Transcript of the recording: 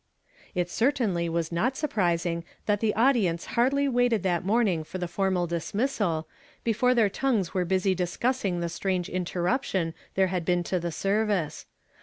It certainly was not surprising that the audience hardly waited that morning for the formal dismissal, before their tongues were busy discussing the strange inter ruption there had been to the service.